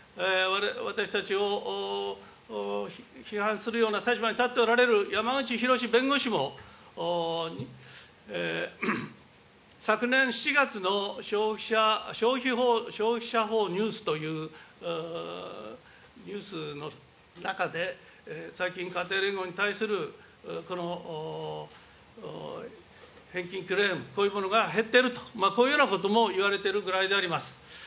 私たちを批判するような立場に立っておられるやまうちひろし弁護士も、昨年７月の消費者法ニュースというニュースの中で、最近、家庭連合に対する返金クレーム、減っていると、こういうようなこともいわれてるぐらいであります。